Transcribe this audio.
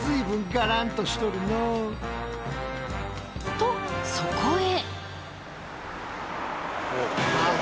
とそこへ！